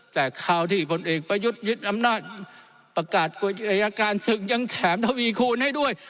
แต่คราวที่ผลเอกประยุทธ์ยึดอำนาจประกาศอายการศึกยังแถมทวีคูณให้ด้วย